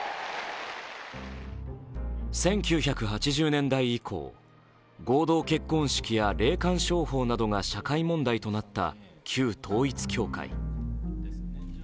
１９８０年代以降、合同結婚式や霊感商法などが社会問題となった旧統一教会。